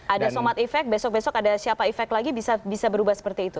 ada somat efek besok besok ada siapa efek lagi bisa berubah seperti itu